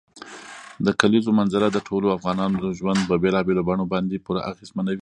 د کلیزو منظره د ټولو افغانانو ژوند په بېلابېلو بڼو باندې پوره اغېزمنوي.